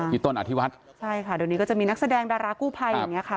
อยู่ต้นอาทิวัฒน์ใช่ค่ะตอนนี้ก็จะมีนักแสดงดารากู้ภัยอย่างนี้ค่ะ